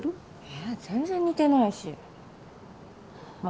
ええ？全然似てないしま